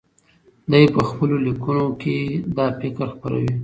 دی په خپلو لیکنو کې دا فکر خپروي.